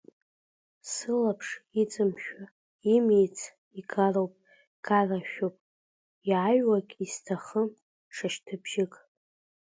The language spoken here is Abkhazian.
Сылаԥш иҵымшәо имиц игароуп, гарашәоуп иааҩуагь, исҭахым ҽа шьҭыбжьык.